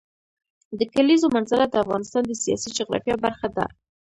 د کلیزو منظره د افغانستان د سیاسي جغرافیه برخه ده.